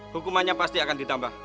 hukumannya pasti akan ditambah